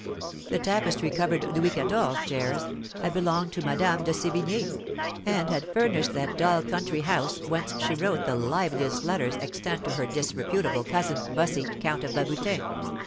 The tapestry covered Louis Quatorze chairs had belonged to Madame de Sévigné, and had furnished that dull country house whence she wrote the liveliest letters extant to her disreputable cousin, Bussy, Count of Babutin.